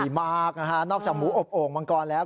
มากนะฮะนอกจากหมูอบโอ่งมังกรแล้ว